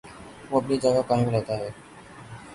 وہ اپنی جگہ قائم رہتا ہے۔